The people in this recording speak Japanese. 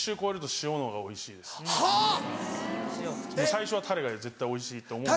最初はタレが絶対おいしいと思う。